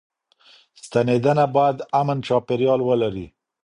ستنېدنه بايد امن چاپيريال ولري.